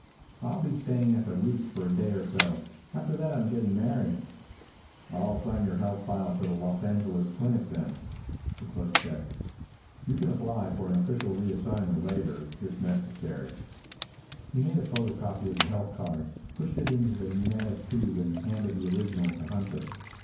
"I'll be staying at the Roost for a day or so. After that I'm getting married." "I'll assign your health file to the Los Angeles Clinic then," the clerk said. "You can apply for an official reassignment later, if necessary." He made a photo copy of the health card, pushed it into a pneumatic tube and handed the original to Hunter.